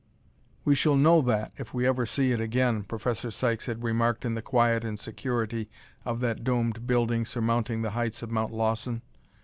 "We shall know that if we ever see it again," Professor Sykes had remarked in the quiet and security of that domed building surmounting the heights of Mount Lawson.